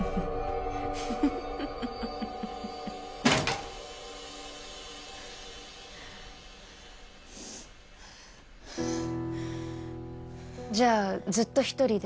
フフフフフじゃあずっと一人で？